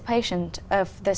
các học sinh